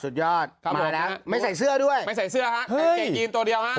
สุดยอดเข้ามาแล้วไม่ใส่เสื้อด้วยไม่ใส่เสื้อฮะกางเกงยีนตัวเดียวฮะ